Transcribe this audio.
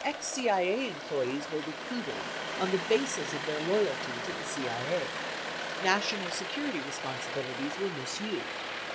Ex CIA em ployees were recruited on the basis of their loyalty to the CIA. Ra tional security responsibilities were misused.